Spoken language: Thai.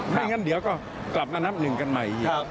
ไม่งั้นเดี๋ยวก็กลับมานับหนึ่งกันใหม่อีก